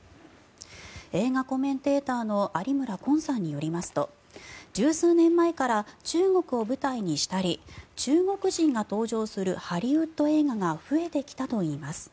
映画コメンテーターの有村昆さんによりますと１０数年前から中国を舞台にしたり中国人が登場するハリウッド映画が増えてきたといいます。